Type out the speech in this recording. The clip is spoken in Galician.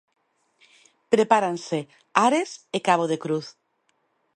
Prepáranse Ares e Cabo de Cruz.